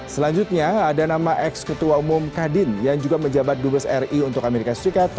selanjutnya ada nama ex ketua umum kadin yang juga menjabat dubes ri untuk amerika serikat